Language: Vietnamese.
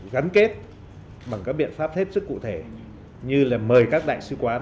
gắn kết bằng các biện pháp hết sức cụ thể như là mời các đại sứ quán